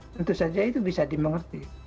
tentu saja itu bisa dimengerti